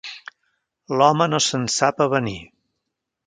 L'home no se'n sap avenir.